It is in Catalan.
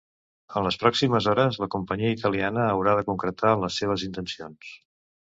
En les pròximes hores, la companyia italiana haurà de concretar les seves intencions.